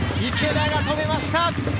池田が止めました。